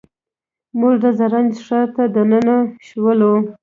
موږ د زرنج ښار ته دننه شولو.